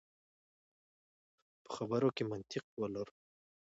په خبرو کې منطق ولرو.